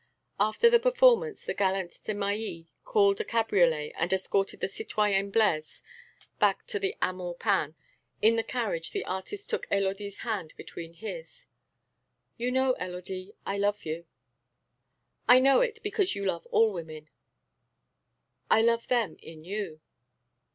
After the performance the gallant Desmahis called a cabriolet and escorted the citoyenne Blaise back to the Amour peintre. In the carriage the artist took Élodie's hand between his: "You know, Élodie, I love you?" "I know it, because you love all women." "I love them in you."